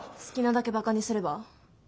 好きなだけバカにすれば？